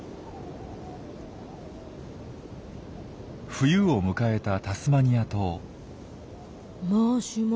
冬を迎えたタスマニア島。